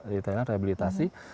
di thailand rehabilitasi